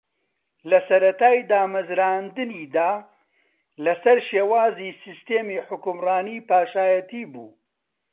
لە سەرەتای دامەزراندنییدا لەسەر شێوازی سیستمی حوکمڕانی پاشایەتی بوو